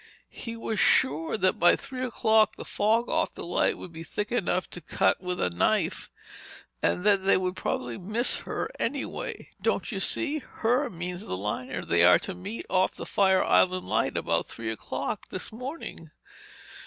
He was sure that by three o'clock the fog off the light would be thick enough to cut with a knife—and that they would probably miss her anyway!—Don't you see? 'Her' means the liner they are to meet off the Fire Island Light about three o'clock this morning!"